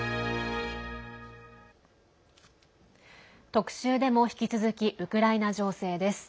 特集でも、引き続きウクライナ情勢です。